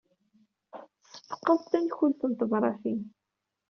Tessefqed tankult n tebṛatin.